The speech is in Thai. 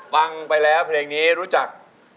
ฟังไปแล้วเพลงนี้รู้จัก